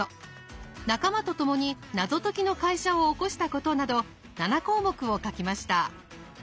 仲間と共に謎解きの会社を興したことなど７項目を書きました。